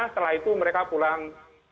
setelah itu mereka pulang